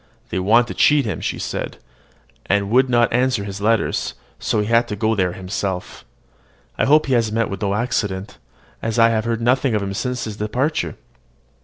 "They wanted to cheat him," she said, "and would not answer his letters; so he is gone there himself. I hope he has met with no accident, as I have heard nothing of him since his departure."